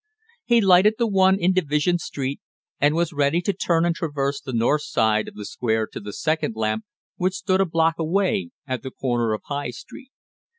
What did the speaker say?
He lighted the one in Division Street and was ready to turn and traverse the north side of the Square to the second lamp which stood a block away at the corner of High Street.